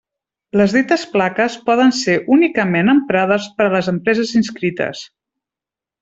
Les dites plaques poden ser únicament emprades per les empreses inscrites.